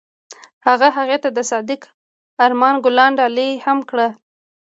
هغه هغې ته د صادق آرمان ګلان ډالۍ هم کړل.